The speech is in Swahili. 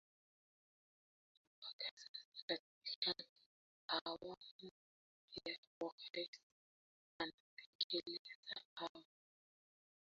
Mpaka sasa katika awamu ya uraisi anatekeleza hayo